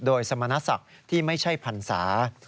โดยสมณศักดิ์ที่ไม่ใช่พรรษา